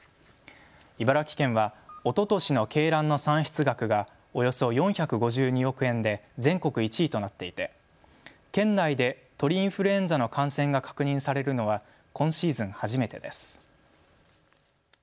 茨城県はおととしの鶏卵の産出額がおよそ４５２億円で全国１位となっていて県内で鳥インフルエンザの感染が確認されるのは今シーズン初めてです。